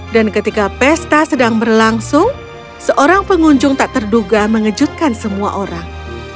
dan ketika pesta sedang berlangsung seorang pengunjung tak terduga mengejutkan semua orang